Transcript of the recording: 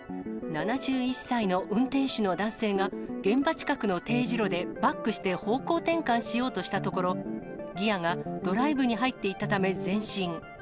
７１歳の運転手の男性が、現場近くの丁字路でバックして方向転換しようとしたところ、ギアがドライブに入っていたため前進。